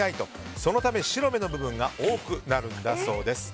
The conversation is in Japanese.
そのため白目の部分が多くなるんだそうです。